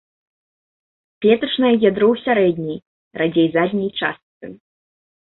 Клетачнае ядро ў сярэдняй, радзей задняй частцы.